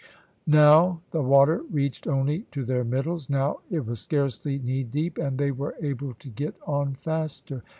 Now the water reached only to their middles; now it was scarcely knee deep, and they were able to get on faster.